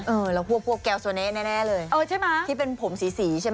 เออแล้วพวกแก้วสวะเน๊ะแน่เลยที่เป็นผมสีใช่ไหม